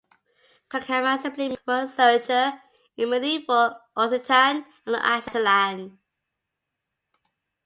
"Cercamon" simply means "world searcher" in medieval Occitan and in actual Catalan.